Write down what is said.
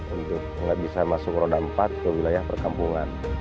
untuk nggak bisa masuk roda empat ke wilayah perkampungan